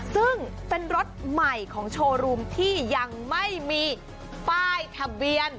ซึ่งเป็นรถใหม่ของโชว์รูมที่ยังไม่มีป้ายทะเบียน